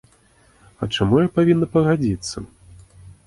А чаму я павінна пагадзіцца?